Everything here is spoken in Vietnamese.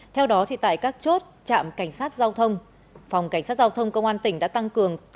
theo đó tại các chốt trạm cảnh sát giao thông phòng cảnh sát giao thông công an tỉnh đã tăng cường